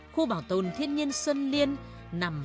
khu bảo tồn thiên nhiên xuân liên nằm